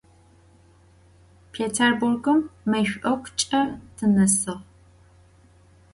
Pêtêrburgım meş'okuç'e tınesığ.